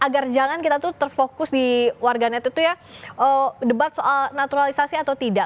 jadi agar jangan kita terfokus di warga net itu ya debat soal naturalisasi atau tidak